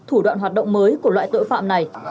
thủ đoạn hoạt động mới của loại tội phạm này